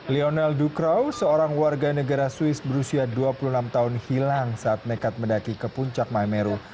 lionel ducrow seorang warga negara swiss berusia dua puluh enam tahun hilang saat nekat mendaki ke puncak maimeru